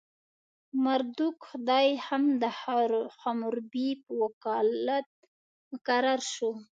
مردوک خدای هم د حموربي په وکالت مقرر شو.